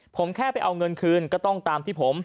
ผมแค่ไปเอาเงินคืนก็ต้องตามที่ผม